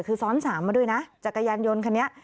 คือซ้อนสามมาด้วยนะจักรยานยนต์คันนี้